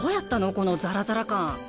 このザラザラ感。